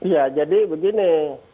ya jadi begini